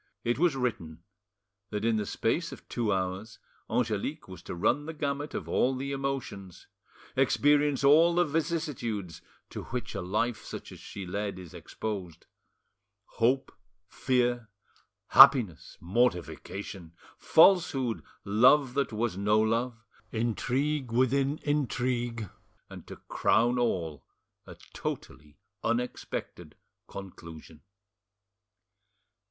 It was written that in the space of two hours Angelique was to run the gamut of all the emotions, experience all the vicissitudes to which a life such as she led is exposed: hope, fear, happiness, mortification, falsehood, love that was no love, intrigue within intrigue, and, to crown all, a totally unexpected conclusion.